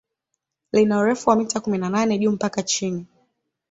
Lina urefu wa mita kumi na nane juu mpaka chini